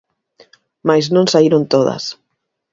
Mais non saíron todas.